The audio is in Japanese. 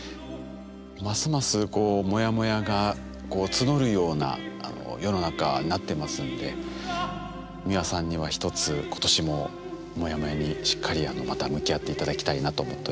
ますますモヤモヤが募るような世の中になってますんで美輪さんにはひとつ今年もモヤモヤにしっかりまた向き合って頂きたいなと思っておりますので。